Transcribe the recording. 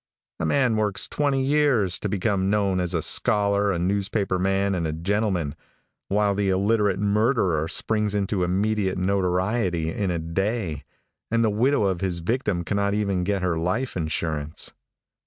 A man works twenty years to become known as a scholar, a newspaper man and a gentleman, while the illiterate murderer springs into immediate notoriety in a day, and the widow of his victim cannot even get her life insurance.